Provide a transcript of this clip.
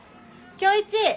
今日一！